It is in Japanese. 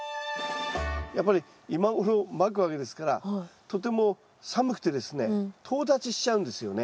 やっぱり今頃まくわけですからとても寒くてですねとう立ちしちゃうんですよね。